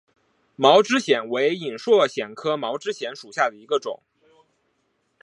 毛枝藓为隐蒴藓科毛枝藓属下的一个种。